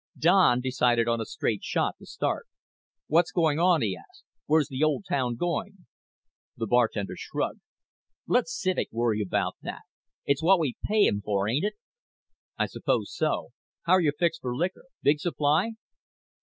Don decided on a straight shot, to start. "What's going on?" he asked. "Where's the old town going?" The bartender shrugged. "Let Civek worry about that. It's what we pay him for, ain't it?" "I suppose so. How're you fixed for liquor? Big supply?"